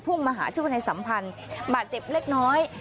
มาหาชื่อว่าในสัมพันธ์บาดเจ็บเล็กน้อย